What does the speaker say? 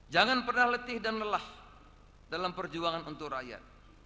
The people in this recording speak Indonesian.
jangan pernah letih dan lelah dalam perjuangan untuk rakyat